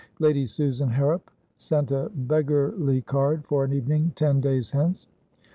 Lady Susan Harrop sent a beggarly card for an evening ten days hence.